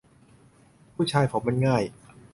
ผู้ชายผมมันง่าย